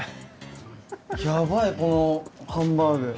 ヤバいこのハンバーグ。